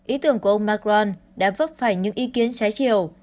ý tưởng của ông macron đã vấp phải những ý kiến trái chiều